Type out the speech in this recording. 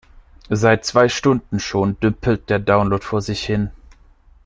Seit zwei Stunden schon dümpelt der Download vor sich hin.